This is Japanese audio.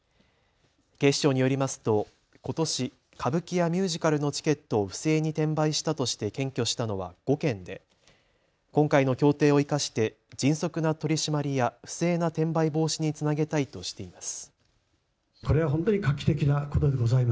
警視庁によりますと、ことし歌舞伎やミュージカルのチケットを不正に転売したとして検挙したのは５件で今回の協定を生かして迅速な取締りや不正な転売防止につなげたいとしています。